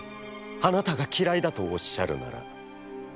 あなたがきらいだとおっしゃるなら」。